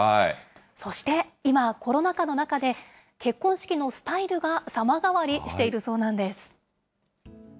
そして、今、コロナ禍の中で、結婚式のスタイルが様変わりしているそうなんです。